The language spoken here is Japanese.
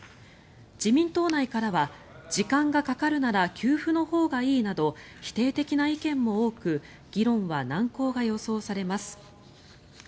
自民党内からは時間がかかるなら給付のほうがいいなど否定的な意見も多く議論は難航が予想されます。